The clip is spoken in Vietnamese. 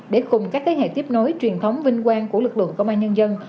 để cùng các thế hệ tiếp nối truyền thống vinh quang của lực lượng công an nhân dân